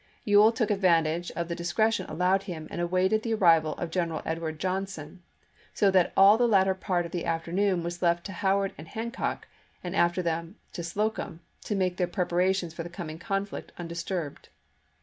Ewell took advantage of the discretion allowed him and awaited the arrival of General Edward Johnson, so that all the latter part of the afternoon was left to Howard and Hancock, and after them to Slocum, to make their preparations for the coming conflict undisturbed.